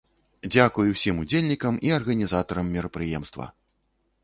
Дзякуй усім удзельнікам і арганізатарам мерапрыемства!